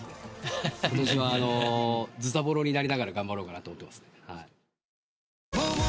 ことしはずたぼろになりながら頑張ろうかなと思ってます。